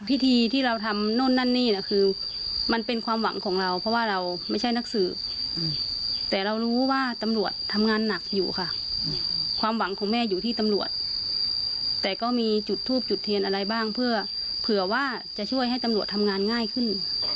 พิธีที่เราทำโน่นนั่นนี่น่ะคือมันเป็นความหวังของเราเพราะว่าเราไม่ใช่นักสืบแต่เรารู้ว่าตำรวจทำงานหนักอยู่ค่ะความหวังของแม่อยู่ที่ตำรวจแต่ก็มีจุดทูบจุดเทียนอะไรบ้างเพื่อเผื่อว่าจะช่วยให้ตำรวจทำงานง่ายขึ้น